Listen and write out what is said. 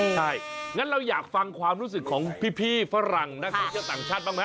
ใช่งั้นเราอยากฟังความรู้สึกของพี่ฝรั่งนักท่องเที่ยวต่างชาติบ้างไหม